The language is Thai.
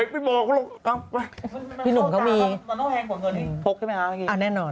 พวกขึ้นมาฮะ